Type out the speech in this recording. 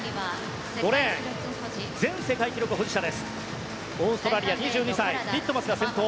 ５レーン、前世界記録保持者オーストラリア、２２歳ティットマスが先頭。